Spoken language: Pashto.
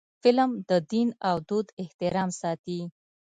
فلم د دین او دود احترام ساتي